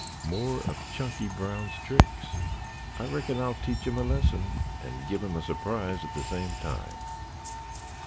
"More of Chunky Brown's tricks. I reckon I'll teach him a lesson and give him a surprise at the same time.